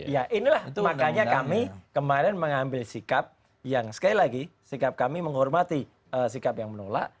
ya inilah makanya kami kemarin mengambil sikap yang sekali lagi sikap kami menghormati sikap yang menolak